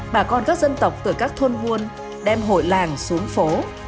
bà con các dân tộc từ các thôn buôn đem hội làng xuống phố